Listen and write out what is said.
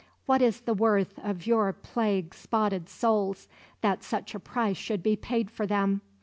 What is the worth of your plague spotted souls, that such a price should be paid for them?